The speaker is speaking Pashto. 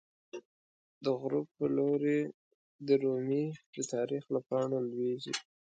د غروب په لوری د رومی، د تاریخ له پاڼو لویزی